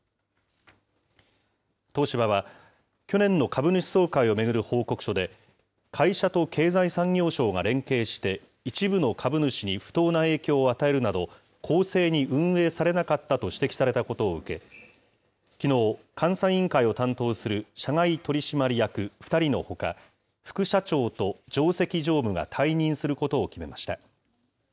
東芝は、去年の株主総会を巡る報告書で、会社と経済産業省が連携して、一部の株主に不当な影響を与えるなど、公正に運営されなかったと指摘されたことを受け、きのう、監査委員会を担当する社外取締役２人のほか、副社長と上席常務が退任することを決めました。